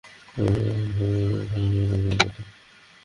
সেখানকার একটি বার থেকে দীপিকাকে বের হতে দেখা গেছে জোকোভিচের সঙ্গে।